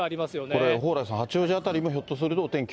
これ、蓬莱さん、八王子辺りもひょっとするとお天気